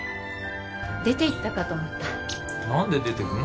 出て行ったかと思った何で出てくの？